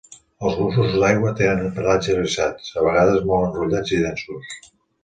Els gossos d'aigua tenen pelatge arrissats, a vegades molt enrotllats i densos.